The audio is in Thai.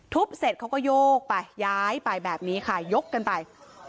เสร็จเขาก็โยกไปย้ายไปแบบนี้ค่ะยกกันไป